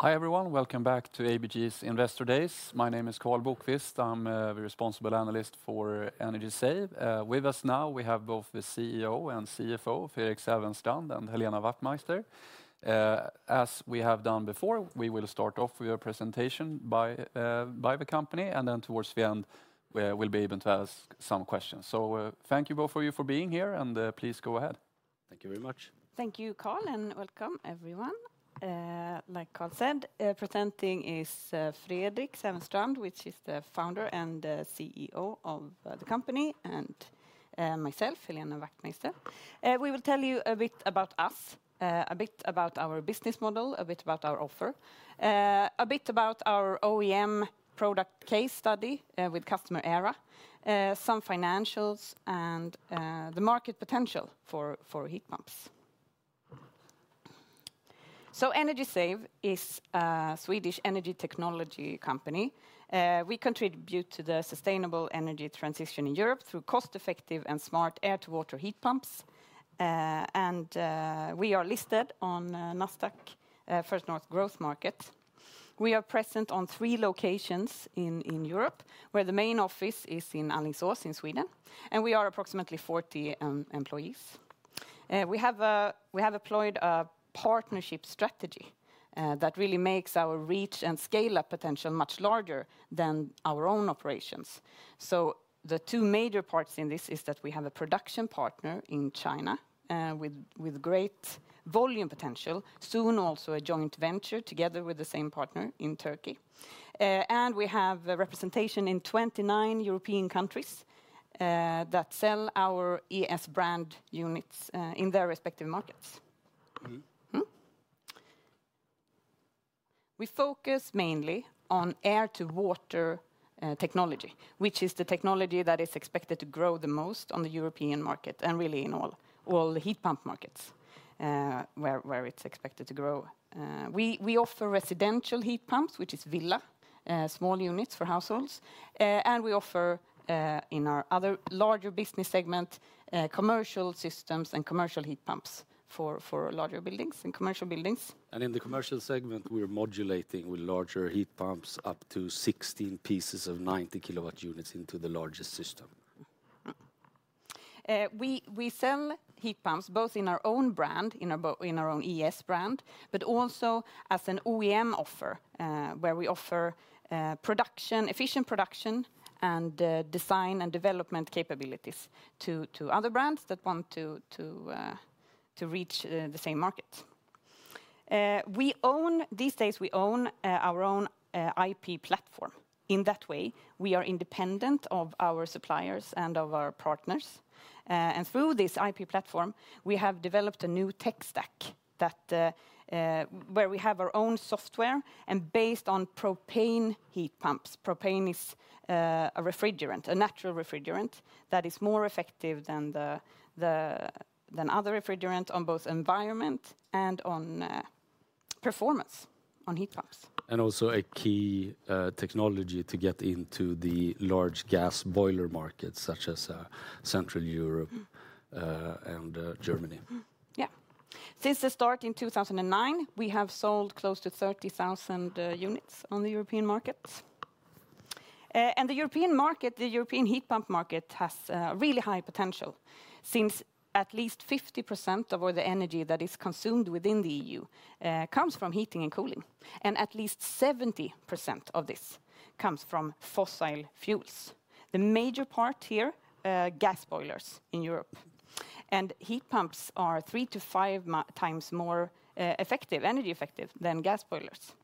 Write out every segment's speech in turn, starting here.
Hi everyone, welcome back to ABG's Investor Days. My name is Karl Bokvist. I'm the Responsible Analyst for Energy Save. With us now, we have both the CEO and CFO, Fredrik Sävenstrand, and Helena Wachtmeister. As we have done before, we will start off with a presentation by the company, and then towards the end, we'll be able to ask some questions. So thank you both of you for being here, and please go ahead. Thank you very much. Thank you, Karl, and welcome everyone. Like Karl said, presenting is Fredrik Sävenstrand, which is the founder and CEO of the company, and myself, Helena Wachtmeister. We will tell you a bit about us, a bit about our business model, a bit about our offer, a bit about our OEM product case study with customer Aira, some financials, and the market potential for heat pumps. So Energy Save is a Swedish energy technology company. We contribute to the sustainable energy transition in Europe through cost-effective and smart air-to-water heat pumps, and we are listed on Nasdaq First North Growth Market. We are present on three locations in Europe, where the main office is in Alingsås in Sweden, and we are approximately 40 employees. We have employed a partnership strategy that really makes our reach and scale-up potential much larger than our own operations. The two major parts in this are that we have a production partner in China with great volume potential, soon also a joint venture together with the same partner in Turkey, and we have a representation in 29 European countries that sell our ES brand units in their respective markets. We focus mainly on air-to-water technology, which is the technology that is expected to grow the most on the European market and really in all heat pump markets where it's expected to grow. We offer residential heat pumps, which is villa, small units for households, and we offer in our other larger business segment commercial systems and commercial heat pumps for larger buildings and commercial buildings. In the commercial segment, we're modulating with larger heat pumps up to 16 pieces of 90 kilowatt units into the largest system. We sell heat pumps both in our own brand, in our own ES brand, but also as an OEM offer where we offer efficient production and design and development capabilities to other brands that want to reach the same market. These days, we own our own IP platform. In that way, we are independent of our suppliers and of our partners, and through this IP platform, we have developed a new tech stack where we have our own software and based on propane heat pumps. Propane is a refrigerant, a natural refrigerant that is more effective than other refrigerants on both environment and on performance on heat pumps. Also a key technology to get into the large gas boiler markets such as Central Europe and Germany. Yeah. Since the start in 2009, we have sold close to 30,000 units on the European markets. And the European market, the European heat pump market, has really high potential since at least 50% of all the energy that is consumed within the EU comes from heating and cooling, and at least 70% of this comes from fossil fuels. The major part here, gas boilers in Europe. And heat pumps are three to five times more energy effective than gas boilers.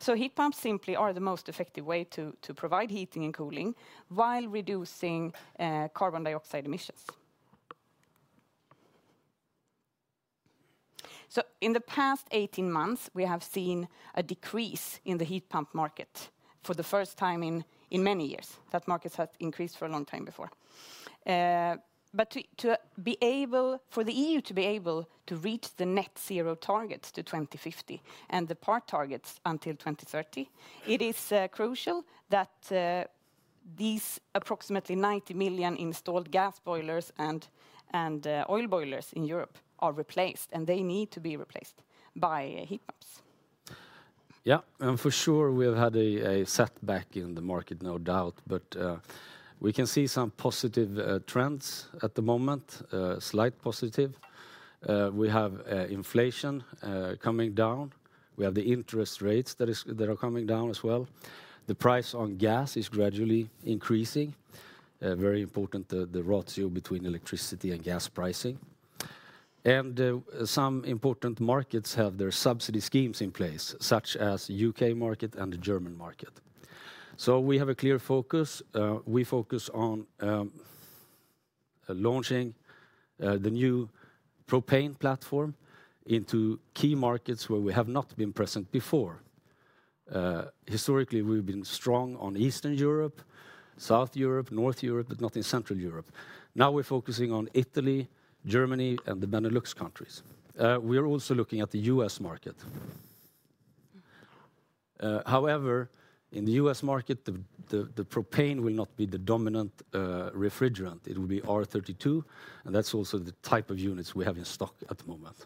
So heat pumps simply are the most effective way to provide heating and cooling while reducing carbon dioxide emissions. So in the past 18 months, we have seen a decrease in the heat pump market for the first time in many years. That market has increased for a long time before. But for the EU to be able to reach the net zero targets to 2050 and the intermediate targets until 2030, it is crucial that these approximately 90 million installed gas boilers and oil boilers in Europe are replaced, and they need to be replaced by heat pumps. Yeah, for sure, we have had a setback in the market, no doubt, but we can see some positive trends at the moment, slight positive. We have inflation coming down. We have the interest rates that are coming down as well. The price on gas is gradually increasing. Very important the ratio between electricity and gas pricing, and some important markets have their subsidy schemes in place, such as the U.K. market and the German market, so we have a clear focus. We focus on launching the new propane platform into key markets where we have not been present before. Historically, we've been strong on Eastern Europe, South Europe, North Europe, but not in Central Europe. Now we're focusing on Italy, Germany, and the Benelux countries. We are also looking at the U.S. market. However, in the U.S. market, the propane will not be the dominant refrigerant. It will be R32, and that's also the type of units we have in stock at the moment.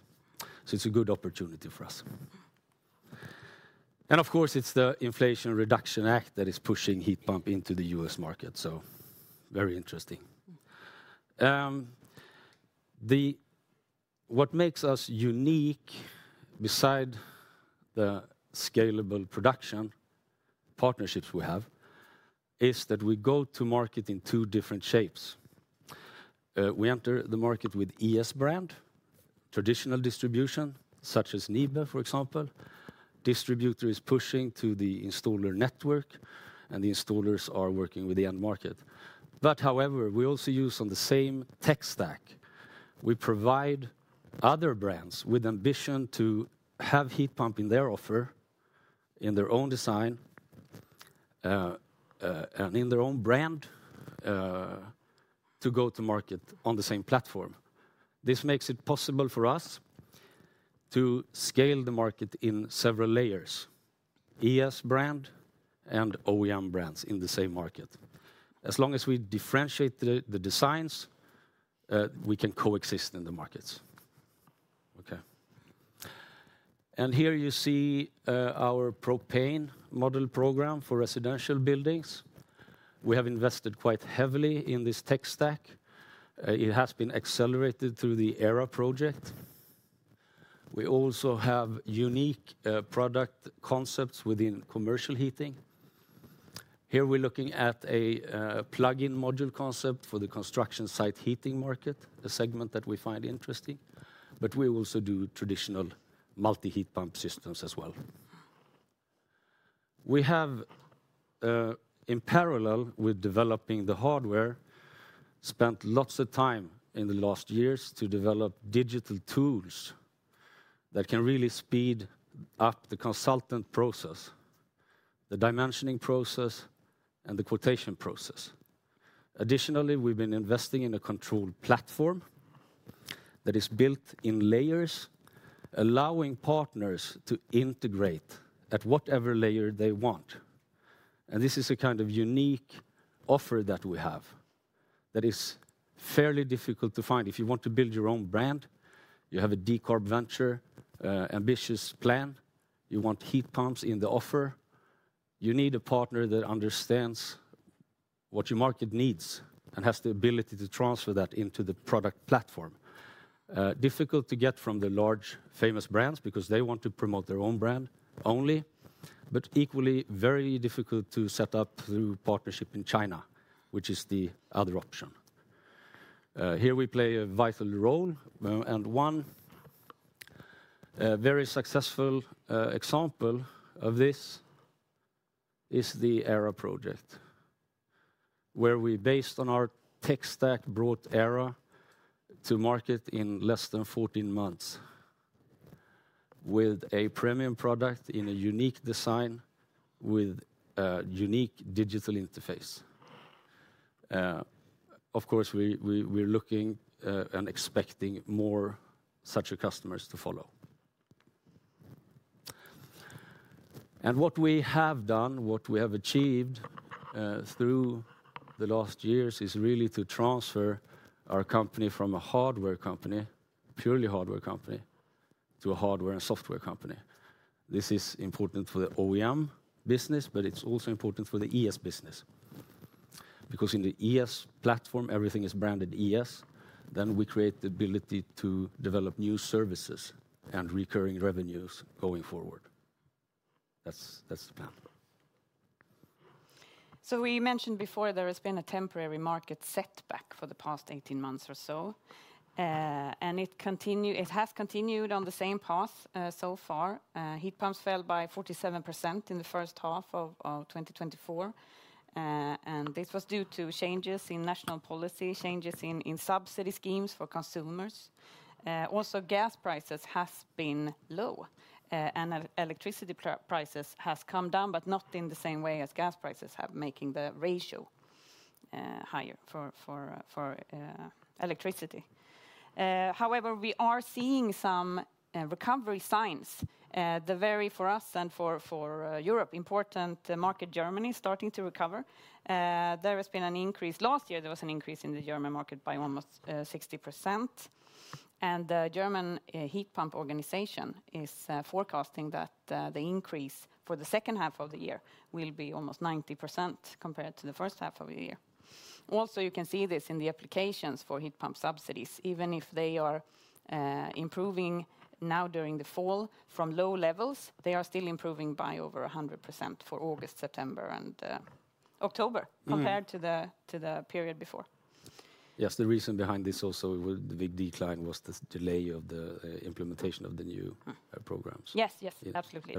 So it's a good opportunity for us. And of course, it's the Inflation Reduction Act that is pushing heat pump into the U.S. market. So very interesting. What makes us unique besides the scalable production partnerships we have is that we go to market in two different shapes. We enter the market with ES brand, traditional distribution such as NIBE, for example. Distributor is pushing to the installer network, and the installers are working with the end market. But however, we also use on the same tech stack. We provide other brands with ambition to have heat pump in their offer, in their own design, and in their own brand to go to market on the same platform. This makes it possible for us to scale the market in several layers, ES brand and OEM brands in the same market. As long as we differentiate the designs, we can coexist in the markets. Okay, and here you see our propane model program for residential buildings. We have invested quite heavily in this tech stack. It has been accelerated through the Aira project. We also have unique product concepts within commercial heating. Here we're looking at a plug-in module concept for the construction site heating market, a segment that we find interesting, but we also do traditional multi-heat pump systems as well. We have, in parallel with developing the hardware, spent lots of time in the last years to develop digital tools that can really speed up the consultant process, the dimensioning process, and the quotation process. Additionally, we've been investing in a control platform that is built in layers, allowing partners to integrate at whatever layer they want. And this is a kind of unique offer that we have that is fairly difficult to find. If you want to build your own brand, you have a decarb venture, ambitious plan, you want heat pumps in the offer, you need a partner that understands what your market needs and has the ability to transfer that into the product platform. Difficult to get from the large famous brands because they want to promote their own brand only, but equally very difficult to set up through partnership in China, which is the other option. Here we play a vital role. And one very successful example of this is the Aira project, where we based on our tech stack brought Aira to market in less than 14 months with a premium product in a unique design with a unique digital interface. Of course, we're looking and expecting more such customers to follow. And what we have done, what we have achieved through the last years is really to transfer our company from a hardware company, purely hardware company, to a hardware and software company. This is important for the OEM business, but it's also important for the ES business. Because in the ES platform, everything is branded ES, then we create the ability to develop new services and recurring revenues going forward. That's the plan. So we mentioned before there has been a temporary market setback for the past 18 months or so, and it has continued on the same path so far. Heat pumps fell by 47% in the first half of 2024, and this was due to changes in national policy, changes in subsidy schemes for consumers. Also, gas prices have been low, and electricity prices have come down, but not in the same way as gas prices have been making the ratio higher for electricity. However, we are seeing some recovery signs. For us and for Europe, important market Germany is starting to recover. There has been an increase last year. There was an increase in the German market by almost 60%, and the German heat pump organization is forecasting that the increase for the second half of the year will be almost 90% compared to the first half of the year. Also, you can see this in the applications for heat pump subsidies. Even if they are improving now during the fall from low levels, they are still improving by over 100% for August, September, and October compared to the period before. Yes, the reason behind this also with the big decline was the delay of the implementation of the new programs. Yes, yes, absolutely.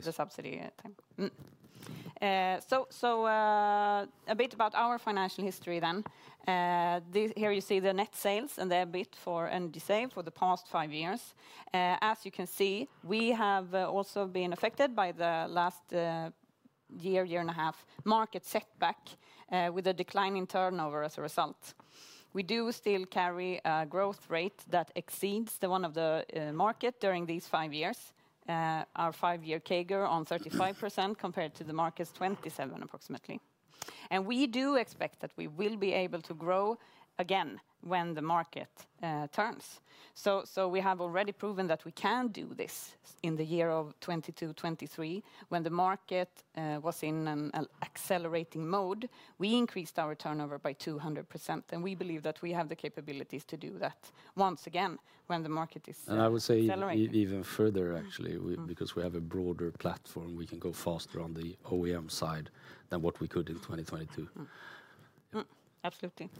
The subsidy time. So a bit about our financial history then. Here you see the net sales and the EBIT for Energy Save for the past five years. As you can see, we have also been affected by the last year, year and a half market setback with a declining turnover as a result. We do still carry a growth rate that exceeds the one of the market during these five years, our five-year CAGR on 35% compared to the market's 27% approximately. And we do expect that we will be able to grow again when the market turns. So we have already proven that we can do this in the year of 2022, 2023 when the market was in an accelerating mode. We increased our turnover by 200%, and we believe that we have the capabilities to do that once again when the market is accelerating. I would say even further actually because we have a broader platform. We can go faster on the OEM side than what we could in 2022. Absolutely,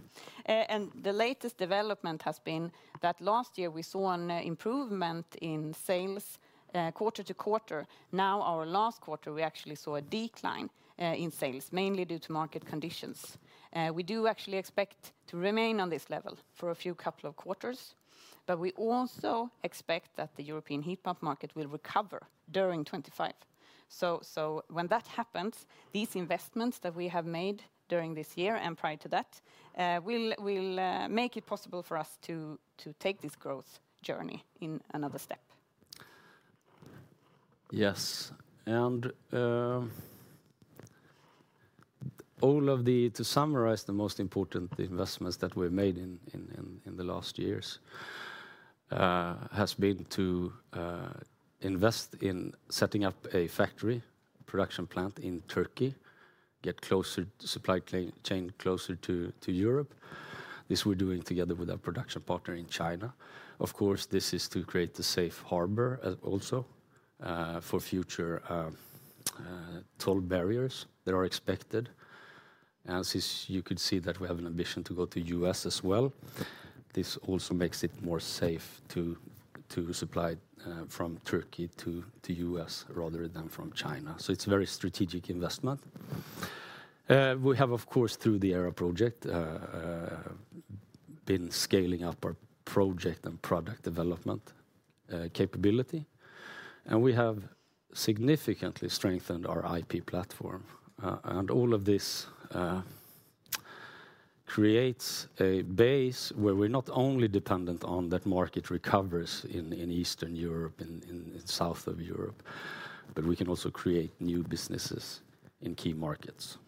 and the latest development has been that last year we saw an improvement in sales quarter to quarter. Now, our last quarter, we actually saw a decline in sales mainly due to market conditions. We do actually expect to remain on this level for a few couple of quarters, but we also expect that the European heat pump market will recover during 2025, so when that happens, these investments that we have made during this year and prior to that will make it possible for us to take this growth journey in another step. Yes. And all of the, to summarize the most important investments that we've made in the last years has been to invest in setting up a factory, production plant in Turkey, get closer to supply chain, closer to Europe. This we're doing together with our production partner in China. Of course, this is to create a safe harbor also for future toll barriers that are expected. And since you could see that we have an ambition to go to the U.S. as well, this also makes it more safe to supply from Turkey to the U.S. rather than from China. So it's a very strategic investment. We have, of course, through the Aira project, been scaling up our project and product development capability, and we have significantly strengthened our IP platform. All of this creates a base where we're not only dependent on that market recovers in Eastern Europe, in South Europe, but we can also create new businesses in key markets.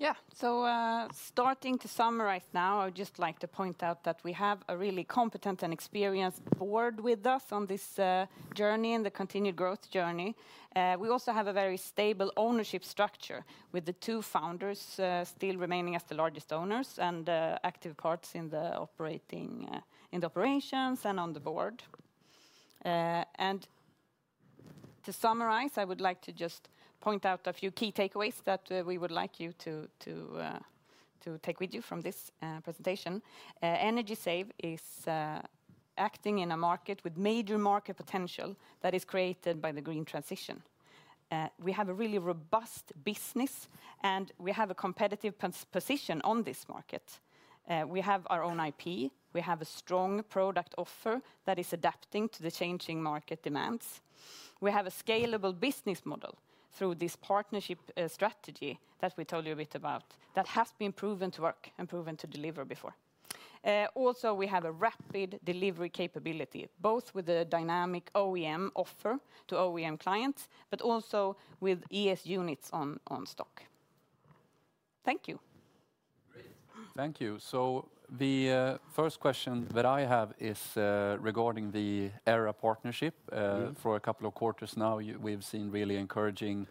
Yeah. So, starting to summarize now, I would just like to point out that we have a really competent and experienced board with us on this journey and the continued growth journey. We also have a very stable ownership structure with the two founders still remaining as the largest owners and active parts in the operations and on the board. And to summarize, I would just like to point out a few key takeaways that we would like you to take with you from this presentation. Energy Save is acting in a market with major market potential that is created by the green transition. We have a really robust business, and we have a competitive position on this market. We have our own IP. We have a strong product offer that is adapting to the changing market demands. We have a scalable business model through this partnership strategy that we told you a bit about that has been proven to work and proven to deliver before. Also, we have a rapid delivery capability both with the dynamic OEM offer to OEM clients, but also with ES units on stock. Thank you. Great. Thank you. So the first question that I have is regarding the Aira partnership. For a couple of quarters now, we've seen really encouraging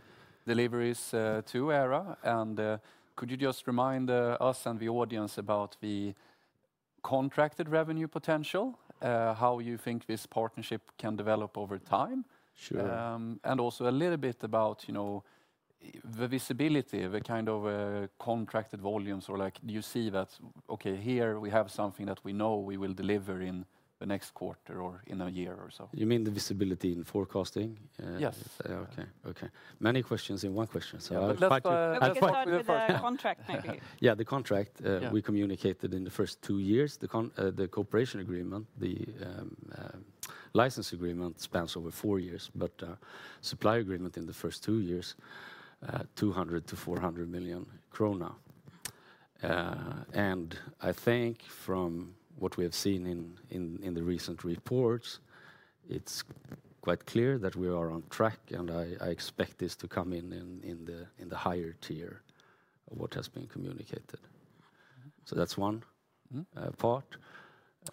deliveries to Aira. And could you just remind us and the audience about the contracted revenue potential, how you think this partnership can develop over time? And also a little bit about the visibility, the kind of contracted volumes or like you see that, okay, here we have something that we know we will deliver in the next quarter or in a year or so. You mean the visibility in forecasting? Yes. Okay. Okay. Many questions in one question. Let's start with the contract maybe. Yeah, the contract we communicated in the first two years. The cooperation agreement, the license agreement spans over four years, but the supply agreement in the first two years, 200 million-400 million krona. And I think from what we have seen in the recent reports, it's quite clear that we are on track, and I expect this to come in in the higher tier of what has been communicated. So that's one part.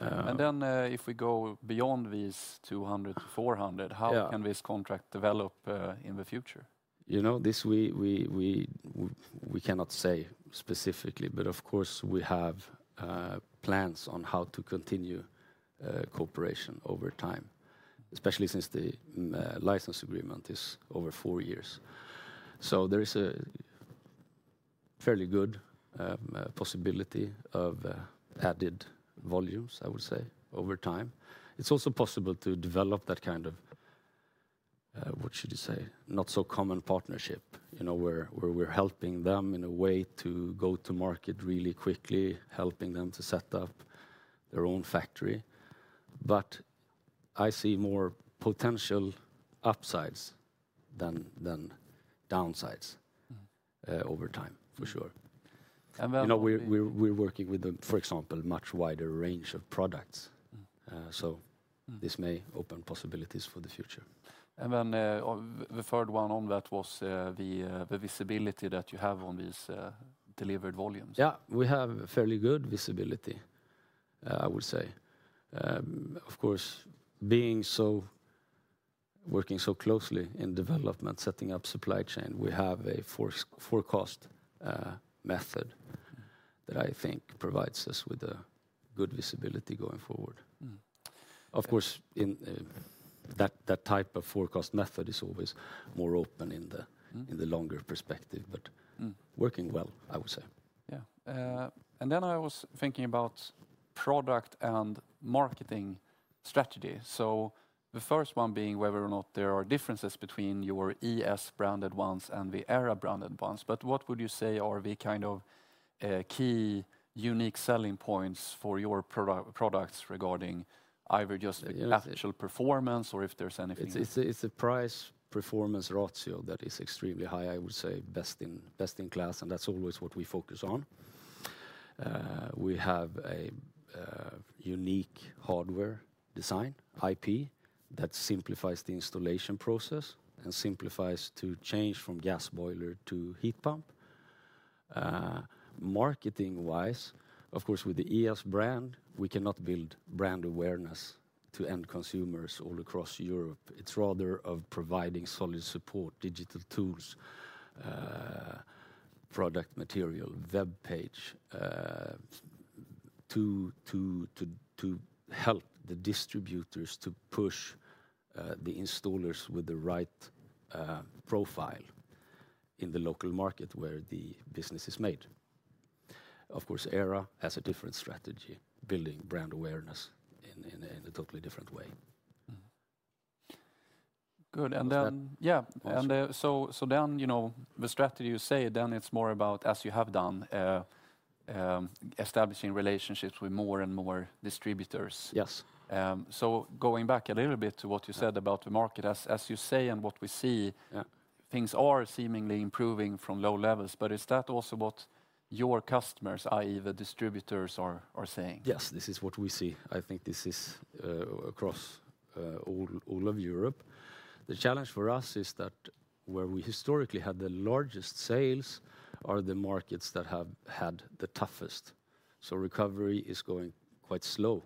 And then if we go beyond these 200-400, how can this contract develop in the future? You know, this we cannot say specifically, but of course we have plans on how to continue cooperation over time, especially since the license agreement is over four years. So there is a fairly good possibility of added volumes, I would say, over time. It's also possible to develop that kind of, what should you say, not so common partnership, you know, where we're helping them in a way to go to market really quickly, helping them to set up their own factory. But I see more potential upsides than downsides over time, for sure. You know, we're working with, for example, a much wider range of products. So this may open possibilities for the future. And then the third one on that was the visibility that you have on these delivered volumes. Yeah, we have fairly good visibility, I would say. Of course, being so working so closely in development, setting up supply chain, we have a forecast method that I think provides us with good visibility going forward. Of course, that type of forecast method is always more open in the longer perspective, but working well, I would say. Yeah. And then I was thinking about product and marketing strategy. So the first one being whether or not there are differences between your ES branded ones and the Aira branded ones. But what would you say are the kind of key unique selling points for your products regarding either just actual performance or if there's anything? It's a price-performance ratio that is extremely high, I would say, best in class, and that's always what we focus on. We have a unique hardware design, IP, that simplifies the installation process and simplifies to change from gas boiler to heat pump. Marketing-wise, of course, with the ES brand, we cannot build brand awareness to end consumers all across Europe. It's rather of providing solid support, digital tools, product material, web page to help the distributors to push the installers with the right profile in the local market where the business is made. Of course, Aira has a different strategy, building brand awareness in a totally different way. Good. And then, yeah, and so then, you know, the strategy you say, then it's more about, as you have done, establishing relationships with more and more distributors. So going back a little bit to what you said about the market, as you say, and what we see, things are seemingly improving from low levels, but is that also what your customers, i.e., the distributors are saying? Yes, this is what we see. I think this is across all of Europe. The challenge for us is that where we historically had the largest sales are the markets that have had the toughest. So recovery is going quite slow.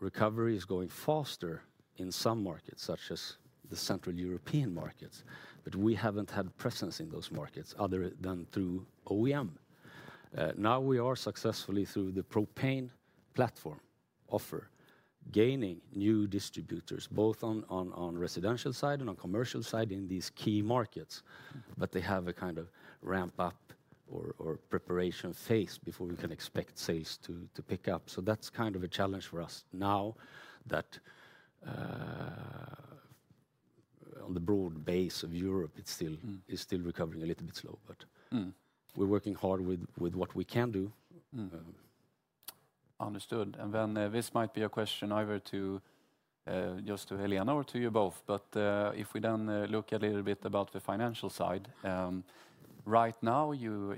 Recovery is going faster in some markets, such as the Central European markets, but we haven't had presence in those markets other than through OEM. Now we are successfully through the propane platform offer, gaining new distributors both on the residential side and on the commercial side in these key markets, but they have a kind of ramp-up or preparation phase before we can expect sales to pick up, so that's kind of a challenge for us now that on the broad base of Europe, it's still recovering a little bit slow, but we're working hard with what we can do. Understood, and then this might be a question either just to Helena or to you both, but if we then look a little bit about the financial side, right now you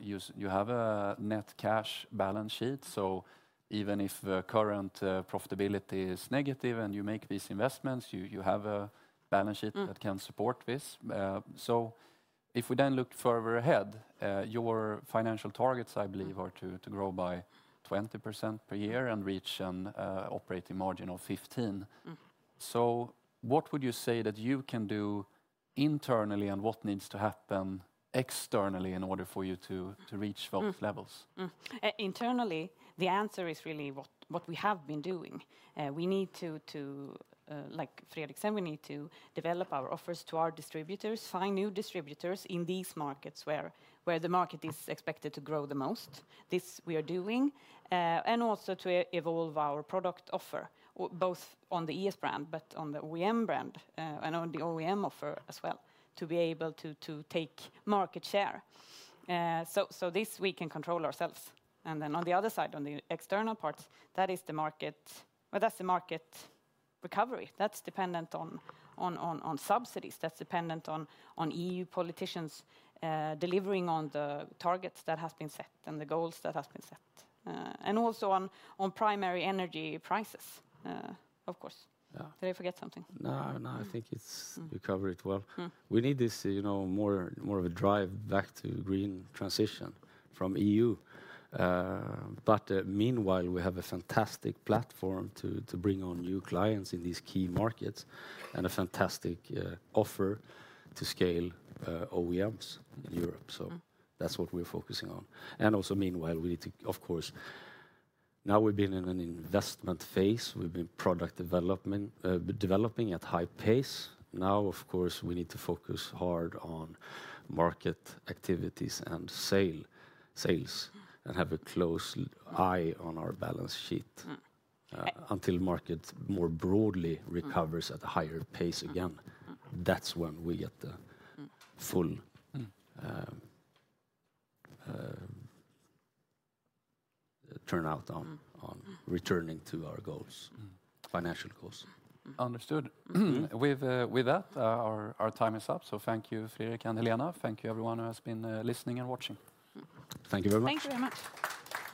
have a net cash balance sheet, so even if current profitability is negative and you make these investments, you have a balance sheet that can support this. So if we then look further ahead, your financial targets, I believe, are to grow by 20% per year and reach an operating margin of 15%. So what would you say that you can do internally and what needs to happen externally in order for you to reach those levels? Internally, the answer is really what we have been doing. We need to, like Fredrik said, we need to develop our offers to our distributors, find new distributors in these markets where the market is expected to grow the most. This we are doing. And also to evolve our product offer both on the ES brand, but on the OEM brand and on the OEM offer as well to be able to take market share. So this we can control ourselves. And then on the other side, on the external parts, that is the market, that's the market recovery. That's dependent on subsidies. That's dependent on EU politicians delivering on the targets that have been set and the goals that have been set. And also on primary energy prices, of course. Did I forget something? No, no, I think you covered it well. We need this, you know, more of a drive back to green transition from EU. But meanwhile, we have a fantastic platform to bring on new clients in these key markets and a fantastic offer to scale OEMs in Europe. So that's what we're focusing on. And also meanwhile, we need to, of course, now we've been in an investment phase. We've been product developing at high pace. Now, of course, we need to focus hard on market activities and sales, and have a close eye on our balance sheet until the market more broadly recovers at a higher pace again. That's when we get the full turnout on returning to our goals, financial goals. Understood. With that, our time is up. So thank you, Fredrik and Helena. Thank you, everyone who has been listening and watching. Thank you very much. Thank you very much.